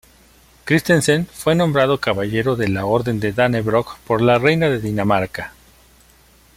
Kristensen fue nombrado Caballero de la Orden de Dannebrog por la Reina de Dinamarca.